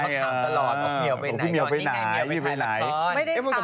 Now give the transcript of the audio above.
พี่ถามตลอดพี่เหมียวไปไหนพี่เหมียวไปถ่ายละคร